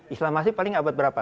islam masif paling abad berapa